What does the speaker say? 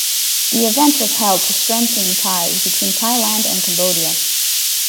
The event was held to strengthen ties between Thailand and Cambodia.